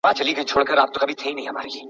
که انجینر وي نو ودانۍ نه لویږي.